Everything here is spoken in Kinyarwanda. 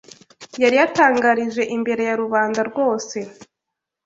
yari yatangarije imbere ya rubanda rwose